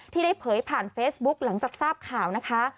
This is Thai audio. ได้เผยผ่านเฟซบุ๊กหลังจากทราบข่าวนะคะ